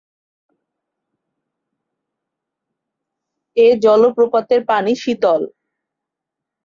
এ জলপ্রপাতের পানি শীতল।